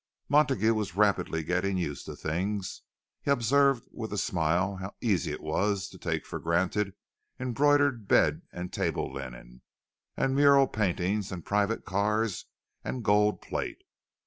Montague was rapidly getting used to things; he observed with a smile how easy it was to take for granted embroidered bed and table linen, and mural paintings, and private cars, and gold plate.